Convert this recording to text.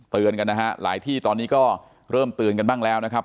เตือนกันนะฮะหลายที่ตอนนี้ก็เริ่มเตือนกันบ้างแล้วนะครับ